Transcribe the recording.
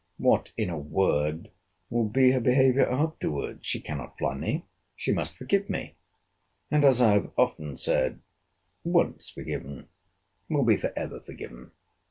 What, in a word, will be her behaviour afterwards?—She cannot fly me!—She must forgive me—and as I have often said, once forgiven, will be for ever forgiven.